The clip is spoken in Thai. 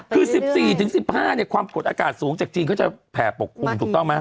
คือ๑๔๑๕ความกดอากาศสูงจากจีนก็จะแผ่ปกคลุมถูกต้องไหม